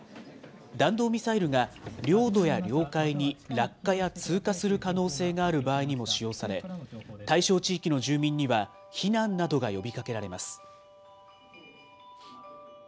弾道ミサイルが領土や領海に落下や通過する可能性がある場合にも使用され、対象地域の住民には避難などが呼びかけられます。